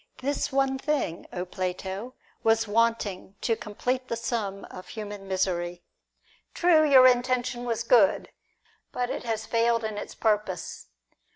This one thing, Plato, was wanting to complete the sum of human misery. "True, your intention was good. But it has failed in its purpose.